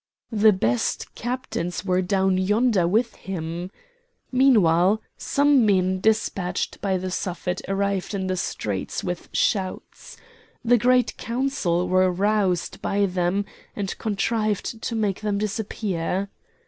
The best captains were down yonder with him! Meanwhile, some men despatched by the Suffet arrived in the streets with shouts. The Great Council were roused by them, and contrived to make them disappear.